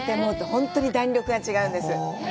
本当に弾力が違うんです。